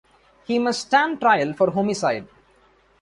He must stand trial for homicide.